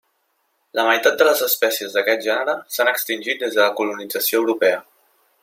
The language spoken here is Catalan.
La meitat de les espècies d'aquest gènere s'han extingit des de la colonització europea.